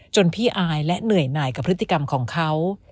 พี่อายและเหนื่อยหน่ายกับพฤติกรรมของเขา